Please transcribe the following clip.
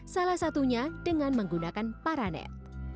salah satunya dengan menggunakan paranet